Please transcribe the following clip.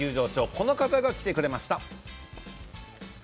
この方が来てくれました。